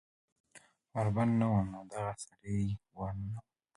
ور بند نه و نو دغه سړی پې ور ننوت